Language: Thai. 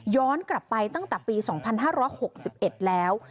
กลับไปตั้งแต่ปี๒๕๖๑แล้ว